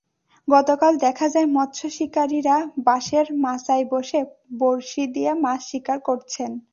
গতকাল দেখা যায়, মৎস্য শিকারিরা বাঁশের মাচায় বসে বড়শি দিয়ে মাছ শিকার করছেন।